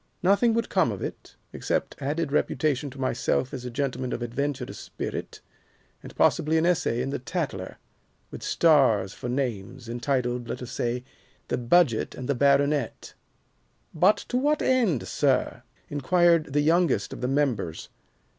Nothing would come of it, except added reputation to myself as a gentleman of adventurous spirit, and possibly an essay in the 'Tatler,' with stars for names, entitled, let us say, 'The Budget and the Baronet.'" "But to what end, sir?" inquired the youngest of the members.